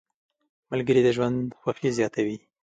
ملګري د ژوند خوښي زیاته وي.